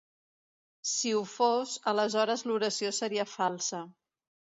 Si ho fos, aleshores l'oració seria falsa.